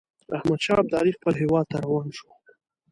احمدشاه ابدالي خپل هیواد ته روان شو.